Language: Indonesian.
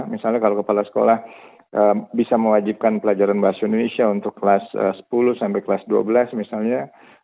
misalnya kalau kepala sekolah bisa mewajibkan pelajaran bahasa indonesia untuk kelas sepuluh sampai kelas dua belas misalnya